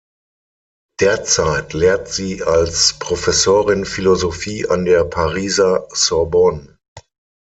Derzeit lehrt sie als Professorin Philosophie an der Pariser Sorbonne.